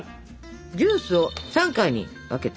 ジュースを３回に分けて。